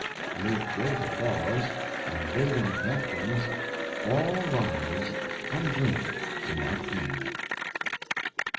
[Amid great applause and waving of napkins all rise and drink to Mark Twain.